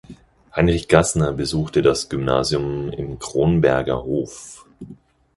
Heinrich Gassner besuchte das Gymnasium im Kronberger Hof.